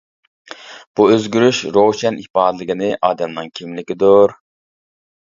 بۇ ئۆزگىرىش روشەن ئىپادىلىگىنى ئادەمنىڭ كىملىكىدۇر.